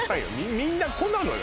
みんな「子」なのよ